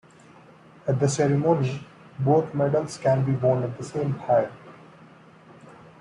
At the ceremony, both medals can be worn at the same time.